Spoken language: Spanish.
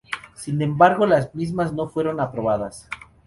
Sin embargo, las mismas no fueron aprobadas.